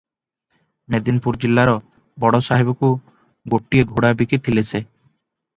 ମେଦିନୀପୁର ଜିଲ୍ଲାର ବଡ଼ ସାହେବକୁ ଗୋଟିଏ ଘୋଡ଼ାବିକି ଥିଲେ ସେ ।